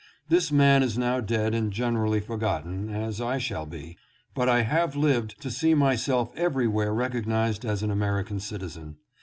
This man is now dead and generally forgotten, as I shall be ; but I have lived to see myself everywhere recognized as an American citizen.